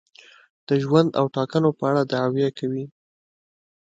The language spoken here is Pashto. د ژوند او ټاکنو په اړه دعوې کوي.